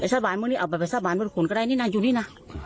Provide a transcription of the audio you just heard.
ไปซ่าบานมึงนี้เอาไปไปซ่าบานบนขุนก็ได้นี่น่ะอยู่นี่น่ะ